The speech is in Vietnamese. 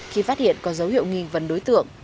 khi phát hiện có dấu hiệu nghi vấn đối tượng